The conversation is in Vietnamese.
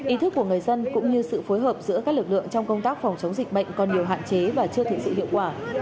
ý thức của người dân cũng như sự phối hợp giữa các lực lượng trong công tác phòng chống dịch bệnh còn nhiều hạn chế và chưa thực sự hiệu quả